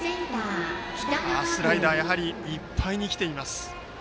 スライダーいっぱいに来ています。